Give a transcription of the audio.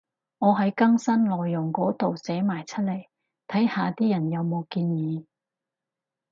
我喺更新內容嗰度寫埋出嚟，睇下啲人有冇建議